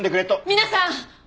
皆さん！